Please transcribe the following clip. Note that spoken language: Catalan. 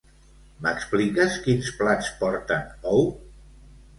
M'expliques quins plats porten ou?